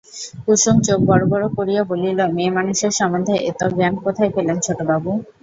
কুসুম চোখ বড় বড় করিয়া বলিল, মেয়েমানুষের সম্বন্ধে এত জ্ঞান কোথায় পেলেন ছোটবাবু?